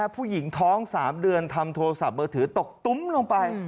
ผู้หญิงท้อง๓เดือนทำโทรศัพท์มือถือตกตุ้มลงไป